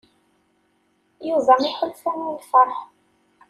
Yuba iḥulfa i lfeṛḥ.